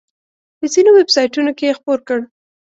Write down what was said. په ځینو ویب سایټونو کې یې خپور کړ.